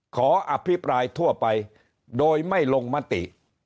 ขออภิปรายทั่วไปโดยไม่ลงมติ